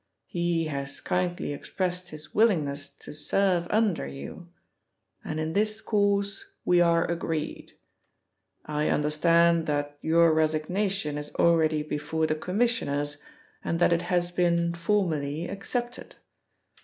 He has kindly expressed his willingness to serve under you, and in this course we are agreed. I understand that your resignation is already before the Commissioners, and that it has been formally accepted.